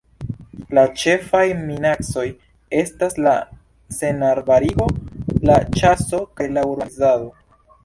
La ĉefaj minacoj estas la senarbarigo, la ĉaso kaj la urbanizado.